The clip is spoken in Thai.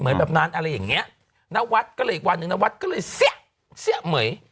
เหมือนแบบนั้นอะไรอย่างนี้นวัฒน์ก็เลยอีกวันหนึ่งนวัฒน์ก็เลยเสี้ยะเสี้ยะเหมือย